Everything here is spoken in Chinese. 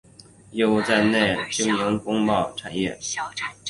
业务在内地经营工贸型产业。